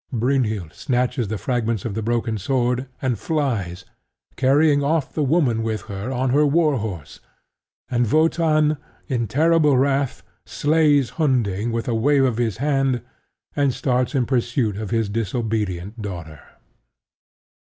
Brynhild snatches the fragments of the broken sword, and flies, carrying off the woman with her on her war horse; and Wotan, in terrible wrath, slays Hunding with a wave of his hand, and starts in pursuit of his disobedient daughter.